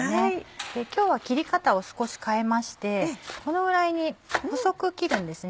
今日は切り方を少し変えましてこのぐらいに細く切るんですね。